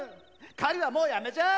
狩りはもうやめじゃ！